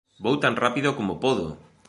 Vou tan rápido como podo!